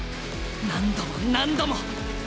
何度も何度も！